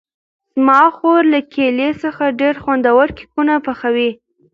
زما خور له کیلې څخه ډېر خوندور کېکونه پخوي.